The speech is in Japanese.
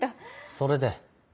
それで？